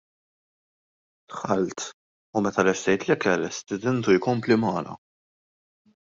Dħalt u, meta lestejt l-ikel, stidintu jkompli magħna.